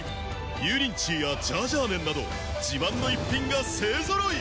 油淋鶏やジャージャー麺など自慢の逸品が勢揃い！